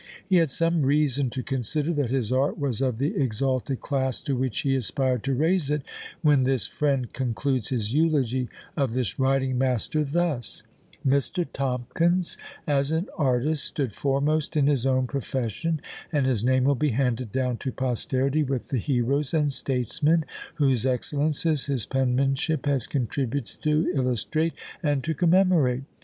He had some reason to consider that his art was of the exalted class to which he aspired to raise it, when this friend concludes his eulogy of this writing master thus "Mr. Tomkins, as an artist, stood foremost in his own profession, and his name will be handed down to posterity with the Heroes and Statesmen, whose excellences his penmanship has contributed to illustrate and to commemorate."